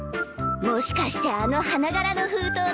もしかしてあの花柄の封筒で？